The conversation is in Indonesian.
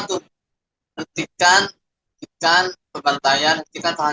dan setiap kali pembantaian terjadi